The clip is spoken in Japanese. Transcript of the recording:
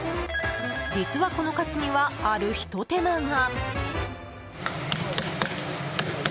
実は、このカツにはあるひと手間が。